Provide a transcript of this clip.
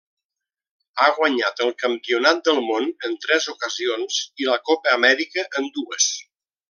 Ha guanyat el campionat del món en tres ocasions i la Copa Amèrica en dues.